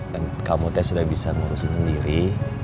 dan kamu teh sudah bisa ngurusin sendiri